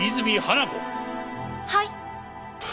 「はい」。